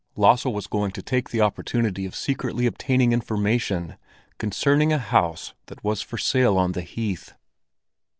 Lasse was going to take the opportunity of secretly obtaining information concerning a house that was for sale on the heath.